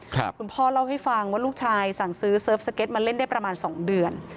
คุณพ่อเล่าให้ฟังว่าลูกชายสั่งซื้อเซิร์ฟสเก็ตมาเล่นได้ประมาณสองเดือน